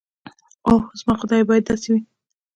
اوح زما خدايه بايد داسې وي.